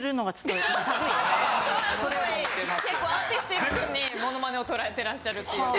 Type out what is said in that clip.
それはすごい結構アーティスティックにモノマネを捉えてらっしゃるっていう。